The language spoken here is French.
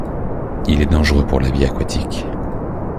Il est dangereux pour la vie aquatique.